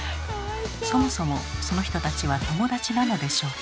そもそもその人たちは友達なのでしょうか。